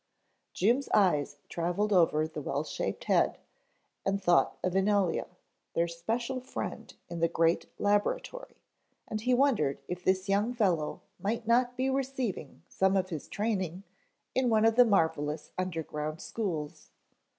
Jim's eyes traveled over the well shaped head, and thought of Ynilea, their special friend in the great Laboratory, and he wondered if this young fellow might not be receiving some of his training in one of the marvelous underground schools.